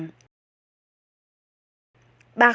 ba khẩu trang y tế